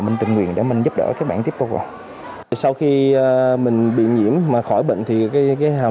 mình tình nguyện để mình giúp đỡ các bạn tiếp tục sau khi mình bị nhiễm mà khỏi bệnh thì cái hào